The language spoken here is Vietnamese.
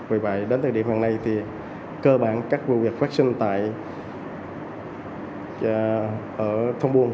vì vậy đến thời điểm hằng nay thì cơ bản các vụ việc phát sinh tại thông buôn